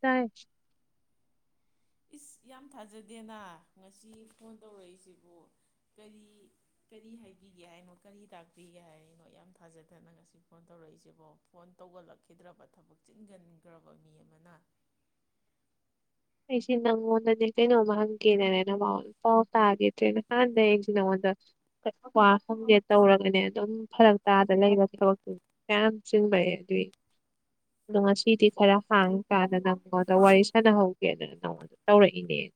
ꯇꯥꯏ ꯏꯁ ꯌꯥꯝ ꯊꯥꯖꯗꯦꯅꯥ ꯉꯁꯤ ꯐꯣꯟ ꯇꯧꯔꯛ ꯏꯁꯤꯕꯨ ꯀꯔꯤ ꯀꯔꯤ ꯍꯥꯏꯕꯤꯒꯦ ꯍꯥꯏꯅꯣ ꯀꯔꯤ ꯇꯥꯛꯄꯤꯒꯦ ꯍꯥꯏꯅꯣ ꯌꯥꯝ ꯊꯥꯖꯗꯦꯅꯥ ꯉꯁꯤ ꯐꯣꯟ ꯇꯧꯔꯛꯏꯁꯤꯕꯣ ꯐꯣꯟ ꯇꯧꯒꯜꯂꯛꯈꯤꯗꯔꯕ ꯊꯕꯛ ꯆꯤꯟꯒꯟꯒꯔꯕ ꯃꯤ ꯑꯃꯅ ꯑꯩꯁꯦ ꯅꯉꯣꯟꯗꯅꯦ ꯀꯩꯅꯣꯝꯃ ꯍꯪꯒꯦꯅꯅꯦ ꯅꯋꯥ ꯅꯄꯥꯎ ꯇꯥꯒꯤꯗꯔꯦꯅ ꯅꯍꯥꯟꯗꯩ ꯑꯩꯁꯦ ꯅꯉꯣꯟꯗ ꯋꯥ ꯍꯪꯒꯦ ꯇꯧꯔꯕꯅꯦ ꯑꯗꯨꯝ ꯐꯔꯛ ꯇꯥꯗꯅ ꯂꯩꯔꯕ ꯊꯕꯛ ꯃꯌꯥꯝ ꯆꯤꯟꯕꯩ ꯑꯗꯨꯏ ꯑꯗꯣ ꯉꯁꯤꯗꯤ ꯈꯔ ꯍꯥꯡꯉ ꯀꯥꯟꯗ ꯑꯃꯨꯛ ꯋꯥꯔꯤ ꯁꯥꯅꯍꯧ ꯒꯦꯅ ꯇꯧꯔꯛ ꯏꯅꯦ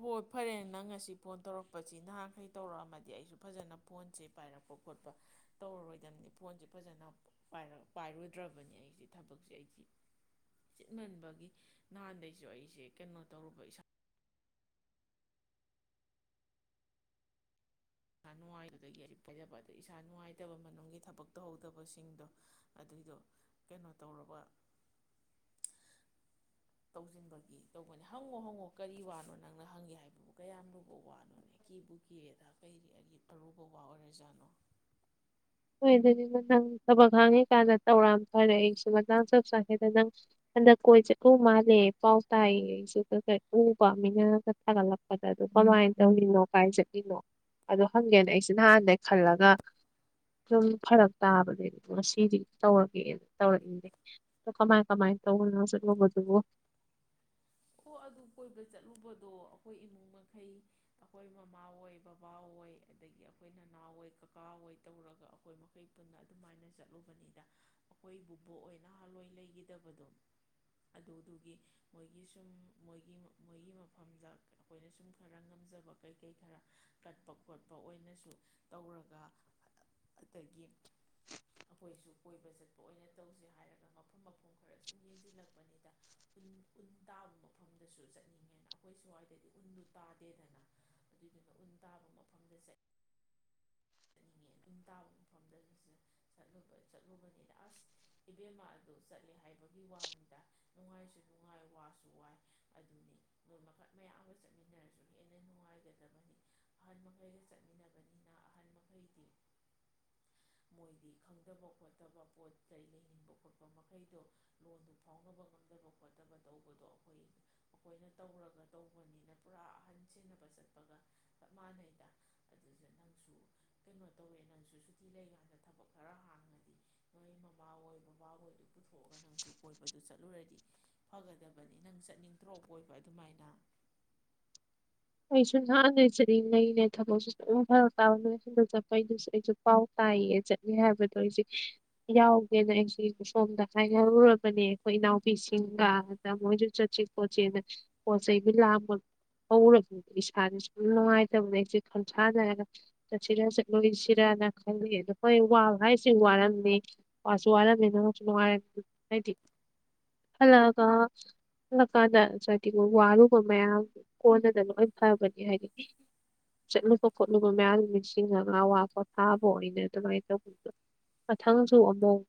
ꯍꯣ ꯐꯔꯦ ꯅꯪ ꯉꯁꯤ ꯐꯣꯟ ꯇꯧꯔꯛꯄꯁꯤꯅ ꯑꯩ ꯇꯧꯔꯛ ꯑꯝꯃꯗꯤ ꯐꯖꯅ ꯐꯣꯟꯁꯦ ꯄꯥꯏꯔꯛꯄ ꯈꯣꯠꯄ ꯇꯧꯔꯔꯣꯏꯗꯕꯅꯤ ꯐꯣꯟꯁꯦ ꯐꯖꯅ ꯄꯥꯏꯔꯨꯗꯔꯕꯅꯤ ꯑꯩꯁꯦ ꯊꯕꯛꯁꯦ ꯑꯩꯁꯦ ꯆꯤꯟꯃꯟꯕꯒꯤ ꯅꯍꯥꯟꯗꯩꯁꯨ ꯑꯩꯁꯦ ꯀꯩꯅꯣ ꯇꯧꯔꯨꯕ ꯏꯁꯥ ꯏꯁꯥ ꯅꯨꯡꯉꯥꯏꯇꯕꯊꯕꯛ ꯇꯧꯍꯧꯗꯕ ꯁꯤꯡꯗꯣ ꯑꯗꯨꯗꯣ ꯀꯩꯅꯣ ꯇꯧꯔꯨꯕ ꯇꯧꯁꯤꯟꯕꯒꯤ ꯇꯧꯕꯅꯦ ꯍꯪꯉꯣ ꯍꯪꯉꯣ ꯀꯔꯤ ꯋꯥꯅꯣ ꯅꯪꯅ ꯍꯪꯒꯦ ꯍꯥꯏꯗꯨꯕꯨ ꯀꯌꯥꯝ ꯂꯨꯕ ꯋꯥꯅꯣꯅꯦ ꯀꯤꯕꯨ ꯀꯤꯔꯦꯗ ꯑꯩꯗꯤ ꯑꯔꯨꯕ ꯋꯥ ꯑꯣꯏꯔ ꯖꯥꯠꯅꯣ [unintelligible] ꯁꯨꯝ ꯐꯔꯛ ꯇꯥꯕꯒꯤ ꯉꯁꯤꯗꯤ ꯇꯧꯔꯒꯦꯅ ꯇꯧꯔꯛ ꯏꯅꯦ ꯑꯗꯣ ꯀꯃꯥꯏ ꯀꯃꯥꯏ ꯇꯧꯕꯅꯣ ꯆꯠꯂꯨꯕꯗꯨꯕꯣ ꯍꯣ ꯑꯗꯨ ꯀꯣꯏꯕ ꯆꯠꯂꯨꯕꯗꯣ ꯑꯈꯣꯏ ꯏꯃꯨꯡ ꯃꯈꯩ ꯑꯈꯣꯏ ꯃꯃꯥ ꯍꯣꯏ ꯕꯕꯥ ꯍꯣꯏ ꯑꯗꯒꯤ ꯑꯈꯣꯏ ꯅꯅꯥꯎ ꯍꯣꯏ ꯀꯀꯥ ꯍꯣꯏ ꯇꯧꯔꯒ ꯑꯈꯣꯏ ꯃꯈꯩ ꯄꯨꯟꯅ ꯑꯗꯨꯃꯥꯏꯅ ꯆꯠꯂꯨꯕꯅꯤꯗ ꯑꯈꯣꯏ ꯕꯣꯕꯣꯛ ꯍꯣꯏꯅ ꯅꯍꯥꯜꯋꯣꯏ ꯂꯩꯒꯤꯗꯕꯗꯣ ꯑꯗꯨꯗꯨꯒꯤ ꯃꯣꯏꯒꯤ ꯁꯨꯝ ꯃꯣꯏꯒꯤ ꯃꯣꯏꯒꯤ ꯃꯐꯝꯗ ꯑꯈꯣꯏꯅ ꯁꯨꯝ ꯈꯔ ꯉꯝꯖꯕ ꯀꯩ ꯀꯩ ꯈꯔ ꯀꯠꯄ ꯈꯣꯠꯄ ꯑꯣꯏꯅꯁꯨ ꯇꯧꯔꯒ ꯑꯗꯒꯤ ꯑꯈꯣꯏꯁꯨ ꯀꯣꯏꯕ ꯆꯠꯄ ꯑꯣꯏꯅ ꯇꯧꯔꯒ ꯍꯥꯏꯔꯒ ꯃꯐꯝ ꯃꯐꯝ ꯈꯔ ꯁꯨꯝ ꯌꯦꯡꯖꯤꯜꯂꯛꯄꯅꯤꯗ ꯇꯥꯕ ꯃꯐꯝꯗꯁꯨ ꯆꯠꯅꯤꯡꯉꯦ ꯑꯈꯣꯏ ꯁ꯭ꯋꯥꯏꯗꯗꯤ ꯈꯨꯜꯗꯨ ꯇꯥꯗꯦꯗꯅ ꯑꯗꯨꯗꯨꯅ ꯎꯟ ꯇꯥꯕ ꯃꯐꯝꯗꯁ ꯆꯠ ꯎꯟ ꯇꯥꯕ ꯃꯐꯝꯗꯁꯨ ꯆꯠꯂꯨꯕꯅꯤꯗ ꯑꯁ ꯏꯕꯦꯝꯃ ꯑꯗꯣ ꯆꯠꯂꯦ ꯍꯥꯏꯕꯒꯤ ꯋꯥꯅꯤꯗ ꯅꯨꯡꯉꯥꯏꯁꯨ ꯅꯨꯡꯉꯥꯏ ꯋꯥꯁꯨ ꯋꯥꯏ ꯑꯗꯨꯅꯦ ꯅꯣꯏ ꯃꯈꯜ ꯃꯌꯥꯝꯒ ꯆꯠꯃꯤꯟꯅꯔꯁꯨ ꯍꯦꯟꯅ ꯅꯨꯡꯉꯥꯏꯒꯗꯕꯅꯦ ꯑꯍꯜ ꯃꯈꯩꯒ ꯆꯠꯃꯤꯟꯅꯕꯅꯤꯅ ꯑꯍꯜ ꯃꯈꯩꯗꯤ ꯃꯣꯏꯗꯤ ꯈꯪꯗꯕ ꯈꯣꯠꯇꯕ ꯄꯣꯠ ꯂꯩꯅꯤꯡꯕ ꯃꯈꯩꯗꯣ ꯂꯣꯟꯗꯣ ꯐꯥꯎꯅꯕꯉꯝꯗꯕ ꯈꯣꯠꯇꯕ ꯇꯧꯕꯗꯣ ꯑꯈꯣꯏꯅ ꯇꯧꯔꯒ ꯇꯧꯕꯅꯤꯅ ꯄꯨꯔꯥ ꯑꯍꯟ ꯁꯦꯟꯅꯕ ꯆꯠꯄꯒ ꯆꯞ ꯃꯥꯅꯩꯗ ꯑꯗꯨꯗ ꯅꯪꯁꯨ ꯀꯩꯅꯣ ꯇꯧꯋꯦ ꯅꯪꯁꯨ ꯁꯨꯇꯤ ꯂꯩ ꯀꯣꯟꯗ ꯊꯕꯛ ꯈꯔ ꯍꯥꯡꯉꯗꯤ ꯅꯣꯏ ꯃꯃꯥ ꯍꯣꯏ ꯕꯕꯥ ꯍꯣꯏ ꯄꯨꯊꯣꯛꯂꯒ ꯅꯪꯁꯨ ꯀꯣꯏꯕꯗꯨ ꯆꯠꯂꯨꯔꯗꯤ ꯐꯒꯗꯕꯅꯤ [unintelligible] ꯆꯠꯅꯤꯡꯗ꯭ꯔꯣ ꯀꯣꯏꯕ ꯑꯗꯨ ꯃꯥꯏꯅ ꯑꯩꯁꯨ ꯅꯍꯥꯟꯗꯩ ꯆꯠꯅꯤꯡ ꯂꯩꯅꯦ ꯊꯕꯛꯁꯨ ꯁꯨꯝ ꯐꯔꯛ ꯇꯥꯕ [unintelligible] ꯆꯠꯄꯩꯗꯨꯁꯨ ꯑꯩꯁꯨ ꯄꯥꯎ ꯇꯥꯏꯌꯦ ꯆꯠꯂꯤ ꯍꯥꯏꯕꯗꯣ ꯑꯩꯁꯦ ꯌꯥꯎꯒꯦꯅ ꯑꯩꯁꯦ ꯁꯣꯝꯗ ꯍꯥꯏꯅꯔꯨꯔꯕꯅꯦ ꯑꯈꯣꯏ ꯏꯅꯥꯎꯄꯤꯁꯤꯡꯒ ꯑꯗ ꯃꯣꯏꯁꯨ ꯆꯠꯁꯦ ꯈꯣꯠꯁꯦꯅ ꯄꯣꯠꯆꯩꯕꯨ ꯂꯥꯡꯍꯧꯔ ꯏꯁꯥꯗꯤ ꯁꯨꯝ ꯅꯨꯡꯉꯥꯏꯇꯕꯗꯣ ꯏꯆꯦ ꯈꯟꯁꯥꯅꯔꯒ ꯆꯠꯁꯤꯔ ꯆꯠꯂꯣꯏꯁꯤꯔꯅ ꯈꯜꯂꯤ ꯑꯗꯣ ꯍꯤꯏ ꯋꯥꯕ ꯍꯥꯏꯁꯦ ꯋꯥꯔꯝꯅꯤ ꯋꯥꯁꯨ ꯋꯥꯔꯝꯅꯤ ꯑꯗꯣ ꯅꯨꯡꯁꯨ ꯅꯨꯡꯉꯥꯏ [unintelligible] ꯍꯜꯂꯛꯑꯒ ꯍꯜꯂꯛꯑꯀꯟꯗ [unintelligible] ꯋꯥꯔꯨꯕ ꯃꯌꯥꯝ [unintelligible] [unintelligible] ꯍꯥꯏꯗꯤ ꯆꯠꯂꯨꯕ ꯈꯣꯠꯂꯨꯕ ꯃꯌꯥꯝ ꯅꯤꯡꯁꯤꯡꯉꯒ ꯑꯋꯥ ꯄꯣꯊꯥꯕꯥ ꯑꯣꯏꯅ ꯑꯗꯨꯃꯥꯏ ꯇꯧꯈꯤꯕꯗꯣ ꯃꯊꯪꯁꯨ ꯑꯃꯨꯛ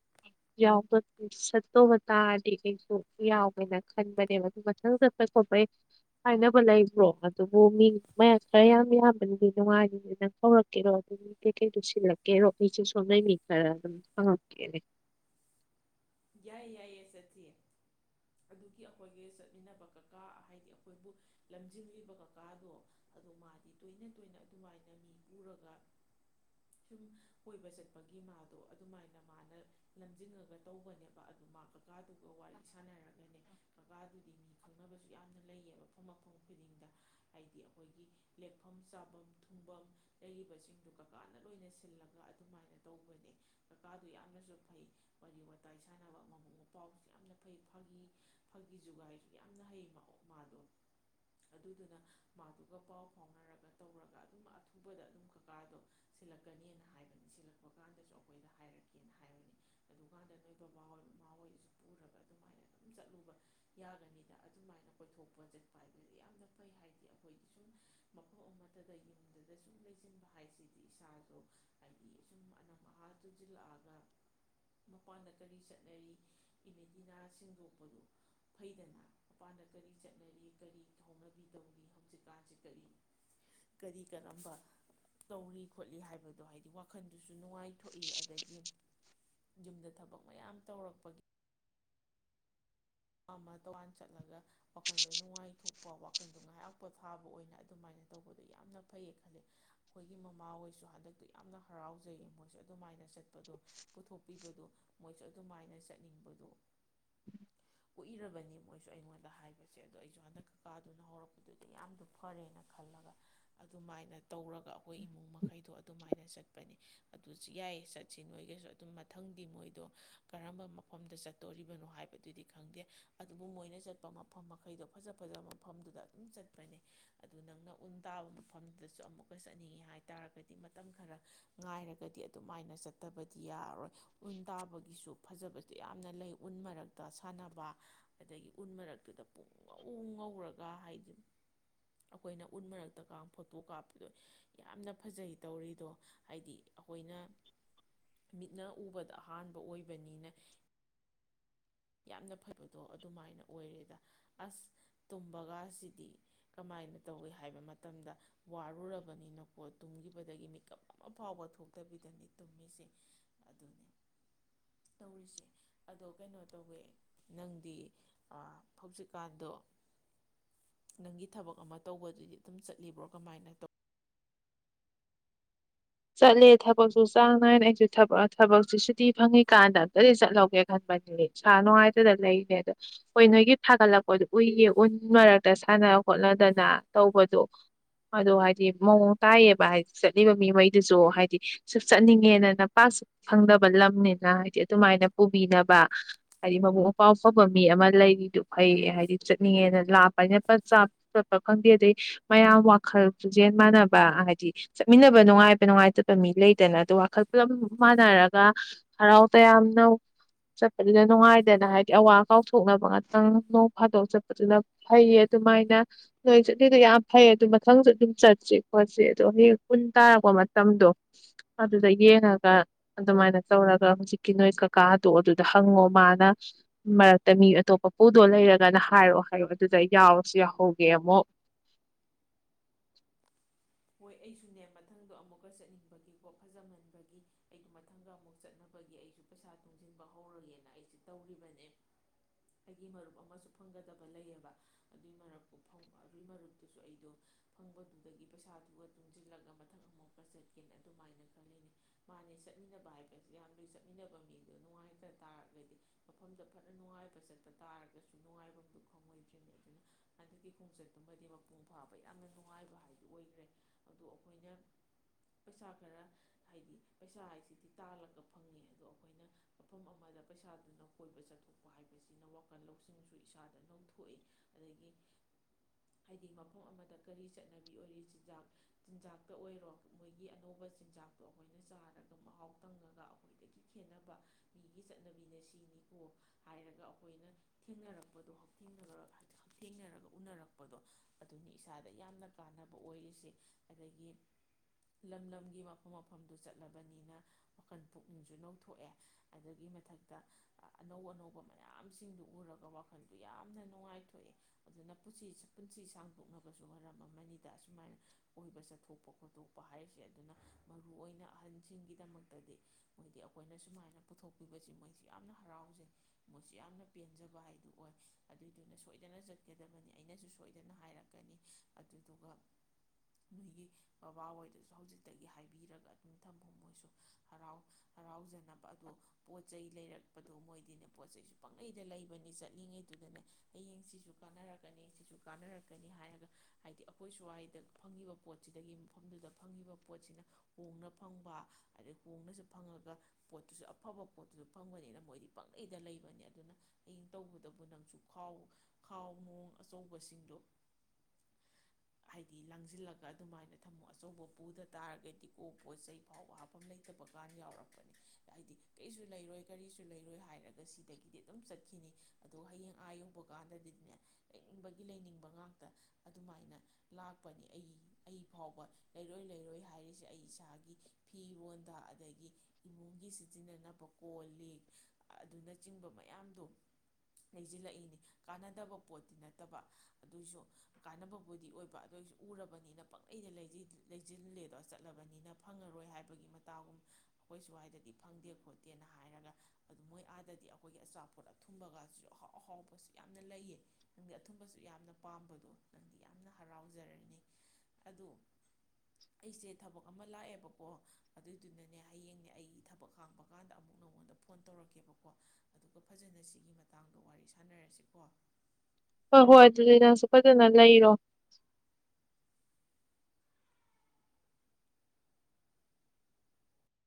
ꯌꯥꯎꯕ ꯆꯠꯇꯧꯕ ꯇꯥꯔꯗꯤ ꯑꯩꯁꯨ ꯌꯥꯎꯒꯦꯅ ꯈꯟꯕꯅꯦ ꯑꯗꯨ ꯃꯊꯪ ꯆꯠꯄ ꯈꯣꯠꯄꯩ ꯍꯥꯏꯅꯕ ꯂꯩꯕ꯭ꯔꯣ [unintelligible] ꯌꯥꯏꯌꯦ ꯌꯥꯏꯌꯦ ꯆꯠꯁꯤ ꯐꯗꯨꯒꯤ ꯑꯈꯣꯏꯒꯤ ꯆꯠꯃꯤꯟꯅꯕ ꯀꯀꯥ ꯍꯥꯏꯗꯤ ꯑꯈꯣꯏꯕꯨ ꯂꯝꯖꯤꯡꯂꯤꯕ ꯀꯀꯥꯗꯣ ꯑꯗꯣ ꯃꯥꯗꯤ ꯇꯣꯏꯅ ꯇꯣꯏꯅ ꯑꯗꯨꯃꯥꯏꯅ ꯃꯤ ꯄꯨꯔꯒ ꯁꯨꯝ ꯀꯣꯏꯕ ꯆꯠꯄꯒꯤ ꯃꯥꯗꯣ ꯑꯗꯨꯃꯥꯏꯅ ꯃꯥꯅ ꯂꯝꯖꯤꯡꯉꯒ ꯇꯧꯕ [inaudible] [inaudible] [inaudible] [inaudible] ꯃꯌꯥꯝ ꯇꯧꯔꯛꯄꯗꯣ [unintelligible] ꯆꯠꯂꯒ ꯋꯥꯈꯜꯗꯣ ꯅꯨꯡꯉꯥꯏꯊꯣꯛꯄ ꯋꯥꯈꯜꯗꯣ ꯉꯥꯏꯍꯥꯛ ꯄꯣꯊꯥꯕ ꯑꯣꯏꯅ ꯑꯗꯨꯃꯥꯏꯅ ꯇꯧꯕꯗꯣ ꯌꯥꯝꯅ ꯐꯌꯦ ꯑꯈꯣꯏꯒꯤ ꯃꯃꯥ ꯍꯣꯏꯁꯨ ꯍꯟꯗꯛꯇꯤ ꯌꯥꯝꯅ ꯍꯔꯥꯎꯖꯩꯌꯦ ꯃꯣꯏꯁꯦ ꯑꯗꯨꯃꯥꯏꯅ [inaudible] ꯃꯣꯏꯖꯨ ꯑꯗꯨꯃꯥꯏꯅ ꯆꯠꯅꯤꯡꯕꯗꯣ ꯀꯨꯏꯔꯕꯅꯤ ꯃꯣꯏꯁꯨ ꯑꯩꯉꯣꯟꯗ ꯍꯥꯏꯕꯁꯦ ꯑꯗꯣ ꯑꯩꯁꯨ ꯍꯟꯗꯛ ꯀꯥꯀꯥ ꯗꯨꯅ ꯍꯧꯔꯛꯄꯗꯨꯗ ꯌꯥꯝꯅ ꯐꯔꯦꯅ ꯈꯜꯂꯒ ꯑꯗꯨꯃꯥꯏꯅ ꯇꯧꯔꯒ ꯑꯈꯣꯏ ꯏꯃꯨꯡ ꯃꯈꯩꯗꯣ ꯑꯗꯨ ꯃꯥꯏꯅ ꯄꯅꯤ ꯑꯗꯨꯁꯨ ꯌꯥꯏꯌꯦ ꯆꯠꯁꯤ ꯅꯣꯏꯒꯁꯨ ꯑꯗꯨꯝ ꯃꯊꯪꯗꯤ ꯃꯣꯏꯗꯣ ꯀꯔꯝꯕ ꯃꯐꯝ ꯆꯠꯇꯣꯔꯤꯕꯅꯣ ꯍꯥꯏꯕꯗꯨꯗꯤ ꯈꯪꯗꯦ ꯑꯗꯨꯕꯨ ꯃꯣꯏꯅ ꯆꯠꯄ ꯃꯐꯝ ꯃꯈꯩꯗꯣꯐꯖ ꯐꯖꯕ ꯃꯐꯝꯗꯨꯗ ꯑꯗꯨꯝ ꯆꯠꯄꯅꯦ ꯑꯗꯣ ꯅꯪꯅ ꯎꯟ ꯇꯥꯕ ꯃꯐꯝꯗꯁꯨ ꯑꯃꯨꯛꯀ ꯆꯠꯅꯤꯡꯉꯦ ꯍꯥꯏ ꯇꯥꯔꯗꯤ ꯃꯇꯝ ꯈꯔ ꯉꯥꯏꯔꯒꯗꯤ ꯑꯗꯨꯝꯃꯥꯏꯅ ꯆꯠꯇꯕꯗꯤ ꯌꯥꯔꯔꯣꯏ ꯎꯟ ꯇꯥꯕꯒꯤꯁꯨ ꯐꯖꯕꯗꯤ ꯌꯥꯝꯅ ꯂꯩ ꯎꯟ ꯃꯔꯛꯇ [unintelligible] ꯑꯗꯒꯤ ꯎꯟ ꯃꯔꯛꯇꯨꯗ ꯄꯨꯡꯉꯧ ꯉꯧꯔꯒ ꯍꯥꯏꯖꯦ ꯑꯈꯣꯏꯅ ꯎꯟ ꯃꯔꯛꯇꯒ ꯐꯣꯇꯣ ꯀꯥꯝꯄꯗꯣ ꯌꯥꯝꯅ ꯐꯖꯩ ꯇꯧꯔꯤꯗꯣ ꯍꯥꯏꯗꯤ ꯑꯈꯣꯏꯅ ꯃꯤꯠꯅ ꯎꯕꯗ ꯑꯍꯥꯟꯕ ꯑꯣꯏꯕꯅꯤꯅ ꯌꯥꯝꯅ ꯐꯕꯗꯣ ꯑꯗꯨꯃꯥꯏꯅ ꯑꯣꯏꯔꯦꯗ ꯑꯁ ꯇꯨꯝꯕ ꯒꯥꯁꯤꯗꯤ ꯀꯃꯥꯏꯅ ꯇꯧꯏ ꯍꯥꯏꯕ ꯃꯇꯝꯗ ꯋꯥꯔꯨꯔꯕꯅꯤꯅꯀꯣ ꯇꯨꯒꯤꯕꯗꯒꯤ ꯃꯤꯀꯞ ꯑꯃ ꯐꯥꯎꯕ ꯊꯣꯛꯕꯤꯗꯅꯦ ꯇꯨꯝꯃꯤꯁꯦ ꯑꯗꯩꯅꯦ ꯇꯧꯔꯤꯁꯦ ꯑꯗꯨ ꯀꯩꯅꯣ [unintelligible] ꯅꯪꯗꯤ ꯑꯥ ꯍꯧꯖꯥꯛꯀꯥꯟꯗꯣ ꯅꯪꯒꯤ ꯊꯕꯛ ꯑꯃ ꯇꯧꯕꯗꯨꯗꯤ ꯗꯨꯝ ꯆꯠꯂꯤꯕꯣ ꯀꯃꯥꯏꯅ ꯇꯧ ꯆꯠꯂꯦ ꯊꯕꯛꯁꯨ ꯆꯥꯡ ꯅꯥꯏꯅ [unintelligible] ꯊꯕꯛꯁꯦ ꯁꯨꯇꯤ ꯐꯪꯏ ꯀꯥꯟꯗ ꯑꯝꯇꯗꯤ ꯆꯠꯍꯧꯒꯦ ꯈꯟꯕꯅꯦ ꯁꯥ ꯅꯨꯡꯉꯥꯏꯇꯗ ꯂꯩꯅꯦ ꯑꯗꯣ ꯍꯣꯏ ꯅꯣꯏꯒꯤ ꯊꯥꯒꯠꯂꯛꯄꯗꯣ ꯎꯏꯌꯦ ꯎꯟ ꯃꯔꯛꯇ ꯁꯥꯟꯅ ꯈꯣꯠꯅꯗꯅ ꯇꯧꯕꯗꯣ ꯑꯗꯣ ꯍꯥꯏꯗꯤ ꯃꯑꯣꯡ ꯇꯥꯏꯌꯦꯕ ꯍꯥꯏꯗꯤ ꯆꯠꯂꯤꯕ ꯃꯤ ꯈꯩ ꯗꯨꯁꯨ ꯍꯥꯏꯗꯤ ꯆꯠꯅꯤꯡꯉꯦꯅꯅ [unintelligible] ꯐꯪꯗꯕ ꯂꯝꯅꯤꯅ ꯍꯥꯏꯗꯤ ꯗꯨꯃꯥꯏꯅ ꯄꯨꯕꯤꯅꯕ ꯍꯥꯏꯗꯤ ꯃꯕꯨꯛ ꯃꯄꯥꯟ ꯐꯕ ꯃꯤ ꯑꯝ ꯂꯩꯔꯤꯗꯨ ꯐꯩꯌꯦ ꯍꯥꯏꯗꯤ ꯆꯠꯅꯤꯡꯉꯦꯅ ꯂꯥꯞꯄꯅꯤꯅ [unintelligible] ꯈꯪꯗꯦ ꯑꯗꯩ ꯃꯌꯥꯝ ꯋꯥꯈꯜ ꯄꯨꯛꯆꯦꯜ ꯃꯥꯟꯅꯕ ꯍꯥꯏꯗꯤ ꯆꯠꯃꯤꯟꯅꯕ ꯅꯨꯡꯉꯥꯏ ꯅꯨꯡꯉꯥꯏꯇꯕ ꯃꯤ ꯂꯩꯗꯅ ꯑꯗꯨ ꯋꯥꯈꯜ ꯄꯨꯂꯞ ꯃꯥꯟꯅꯔꯒ ꯍꯔꯥꯎꯕ ꯇꯌꯥꯝꯅ ꯆꯠꯄꯅꯤꯅ ꯅꯨꯡꯉꯥꯏꯗꯅ ꯍꯥꯏꯗꯤ ꯑꯋꯥ ꯀꯥꯎꯊꯣꯛꯅꯕ ꯉꯥꯛꯇꯪ ꯅꯣꯡ ꯐꯥꯗꯣꯛ ꯆꯠꯄꯖꯤꯅ ꯐꯩꯌꯦ ꯑꯗꯨꯃꯥꯏꯅ ꯅꯣꯏ ꯆꯠꯂꯤꯗꯣ ꯌꯥꯝ ꯐꯩꯌꯦ ꯑꯗꯨ ꯃꯊꯪ ꯖꯨꯠ ꯑꯗꯨꯝ ꯆꯠꯁꯤ ꯈꯣꯠꯁꯤꯗꯨ ꯌꯍꯦꯡ ꯎꯟ ꯇꯥꯔꯀꯣ [unintelligible] [inaudible] [inaudible] [inaudible] [inaudible] [inaudible] [inaudible] [inaudible] [inaudible] [inaudible] [inaudible] [inaudible] [inaudible] ꯍꯣꯏ ꯍꯣꯏ ꯑꯗꯨꯗꯤ ꯅꯪꯁꯨ ꯐꯖꯅ ꯂꯩꯔꯣ